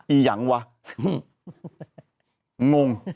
อียังวะงง